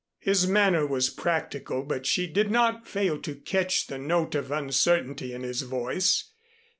His manner was practical, but she did not fail to catch the note of uncertainty in his voice.